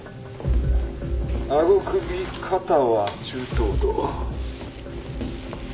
顎首肩は中等度。